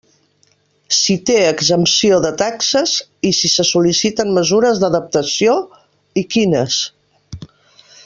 Si té exempció de taxes i si se sol·liciten mesures d'adaptació i quines.